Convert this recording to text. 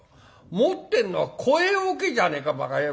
持ってんのは肥桶じゃねえかバカ野郎。